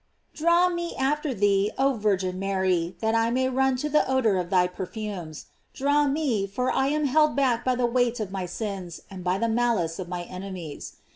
DRAW me after thee, oh Virgin Mary, that I may run to the odor of thy perfumes. Draw me, for I am held back by the weight of my sins and by the malice of my enemies.